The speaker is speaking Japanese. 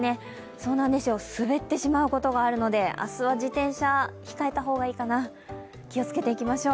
そうなんですよ、滑ってしまうことがあるので明日は自転車、控えた方がいいかな気をつけていきましょう。